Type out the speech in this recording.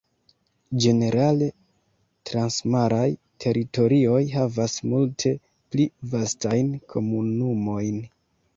Ĝenerale, transmaraj teritorioj havas multe pli vastajn komunumojn.